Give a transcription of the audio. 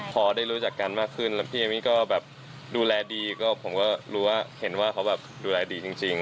พอได้รู้จักกันมากขึ้นแล้วพี่เอมมี่ก็แบบดูแลดีก็ผมก็รู้ว่าเห็นว่าเขาแบบดูแลดีจริง